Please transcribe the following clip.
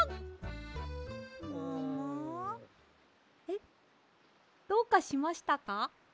えっどうかしましたか？